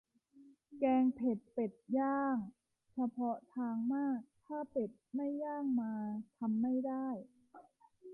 แกงเผ็ดเป็ดย่าง เฉพาะทางมาก ถ้าเป็ดไม่ย่างมา ทำไม่ได้